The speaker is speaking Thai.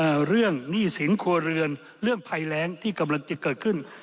เรื่องหนี้สินครัวเรือนเรื่องภัยแรงที่กำลังจะเกิดขึ้น